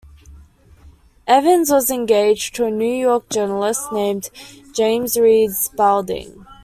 Evans was engaged to a New York journalist named James Reed Spalding.